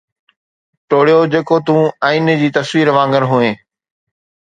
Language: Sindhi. ٽوڙيو جيڪو تون آئيني جي تصوير وانگر هئين